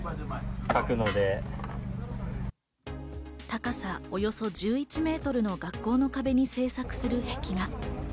高さおよそ１１メートルの学校の壁に制作する壁画。